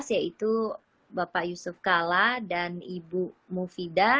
yaitu bapak yusuf kala dan ibu mufidah